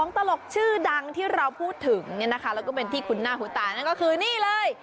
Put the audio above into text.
ตลกชื่อดังที่เราพูดถึงเนี่ยนะคะแล้วก็เป็นที่คุณหน้าหูตานั่นก็คือนี่เลย